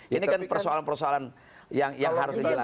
ini kan persoalan persoalan yang harus dijelaskan